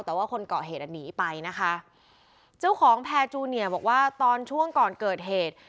แต่ว่าคนเกาะเหตุอ่ะหนีไปนะคะเจ้าของแพร่จูเนียบอกว่าตอนช่วงก่อนเกิดเหตุ